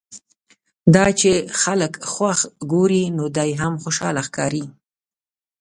دا چې خلک خوښ ګوري نو دی هم خوشاله ښکاري.